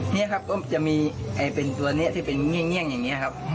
นี่ครับก็จะมีตัวนี้ที่ไม่เหนียงอย่างนี้ครับ